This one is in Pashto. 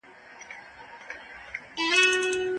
د دښتو خلګ کوم هنرونه درلودل؟